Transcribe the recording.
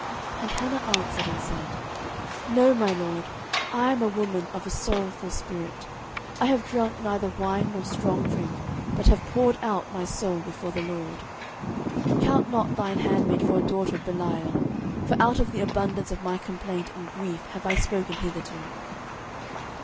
09:001:015 And Hannah answered and said, No, my lord, I am a woman of a sorrowful spirit: I have drunk neither wine nor strong drink, but have poured out my soul before the LORD. 09:001:016 Count not thine handmaid for a daughter of Belial: for out of the abundance of my complaint and grief have I spoken hitherto.